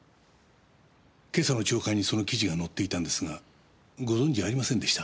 今朝の朝刊にその記事が載っていたんですがご存じありませんでした？